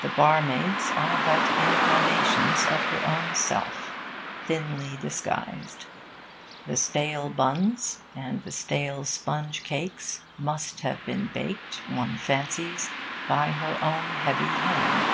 The barmaids are but incarnations of her own self, thinly disguised. The stale buns and the stale sponge cakes must have been baked, one fancies, by her own heavy hand.